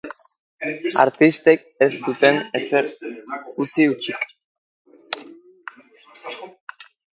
Artistek ez zuten ezer utzi hutsik.